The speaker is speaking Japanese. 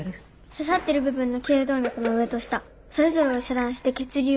刺さってる部分の頸動脈の上と下それぞれを遮断して血流を止める。